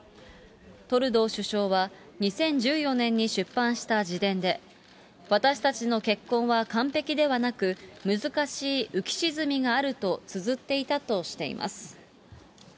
トルドー首相は２０１４年に出版した自伝で、私たちの結婚は完璧ではなく、難しい浮き沈みがあるとつづっていたとしています。